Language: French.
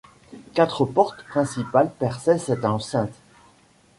Quatre portes principales perçaient cette enceinte.